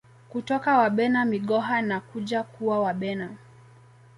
Kutoka Wabena Migoha na kuja kuwa Wabena